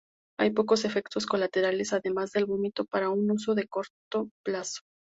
Hay pocos efectos colaterales además el vómito para un uso de corto plazo.